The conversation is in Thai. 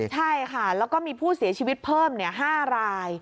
ใช่ค่ะแล้วก็มีผู้เสียชีวิตเพิ่ม๕ราย